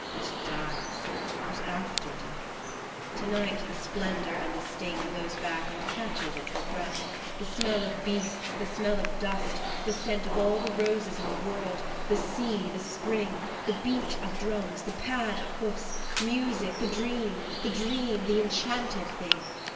it dies, But after death , To night the splendour and the sting Blows back and catches at your breath, The smell of beasts, the smell of dust, the scent of all the roses in the world, the sea, the Spring, The beat of drums, the pad of hoofs, music, the dream, the dream, the Enchanted Thing